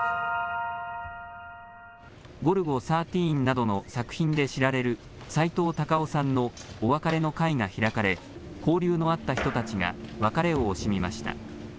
ゴルゴ１３などの作品で知られるさいとう・たかをさんのお別れの会が開かれ、交流のあった人たちが、別れを惜しみました。